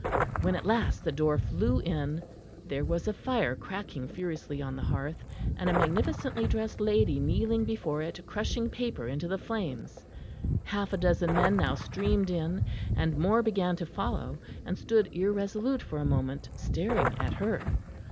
When at last the door flew in, there was a fire cracking furiously on the hearth, and a magnificently dressed lady kneeling before it, crushing paper into the flames. Half a dozen men now streamed in and more began to follow, and stood irresolute for a moment, staring at her.